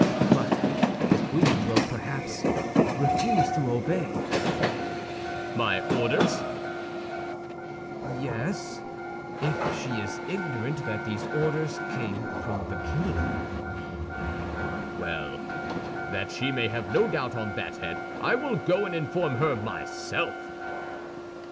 "But the queen will perhaps refuse to obey." "My orders?" "Yes, if she is ignorant that these orders come from the king." "Well, that she may have no doubt on that head, I will go and inform her myself."